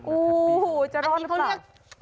อู้หู้จะรอรึเปล่าจริงหมูหมาด้วยเนี่ยอันนี้เขาเรียก